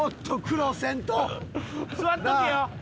座っとけよ！